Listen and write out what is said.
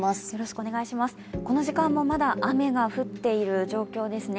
この時間もまだ雨が降っている状況ですね。